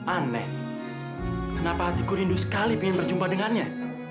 aneh kenapa hatiku rindu sekali ingin bertemu dia